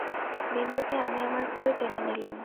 বিন্দুকে আমি আমার ঘরে টেনে নিলুম।